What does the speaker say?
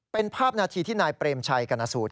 เป็นภาพนาทีที่นายเปรมชัยกรณสูตร